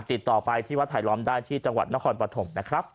ติดต่อไปที่วัดภัยล้อมได้ที่จังหวัดนครปฐม